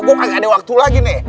gue gak ada waktu lagi nih